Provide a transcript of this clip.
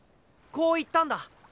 こう言ったんだ。